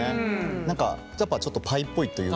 何かやっぱちょっとパイっぽいというか。